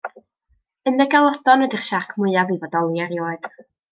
Y megalodon ydi'r siarc mwyaf i fodoli erioed.